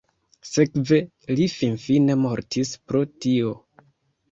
Sekve, li finfine mortis pro tio.